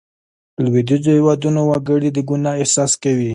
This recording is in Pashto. لوېدیځو هېوادونو وګړي د ګناه احساس کوي.